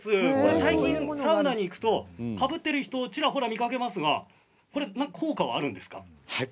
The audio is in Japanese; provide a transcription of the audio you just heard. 最近サウナに行くとかぶっている人ちらほら見かけますが効果はあるんですか。